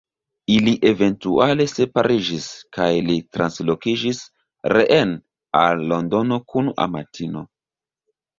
Ili eventuale separiĝis kaj li translokiĝis reen al Londono kun amatino.